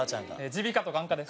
耳鼻科と眼科です。